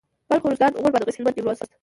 بلخ اروزګان غور بادغيس هلمند نيمروز